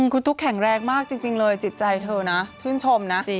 คุณตุ๊กแข็งแรงมากจริงเลยจิตใจเธอนะชื่นชมนะ